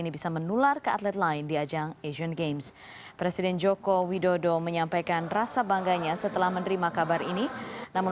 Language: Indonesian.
bagaimana perasaan kamu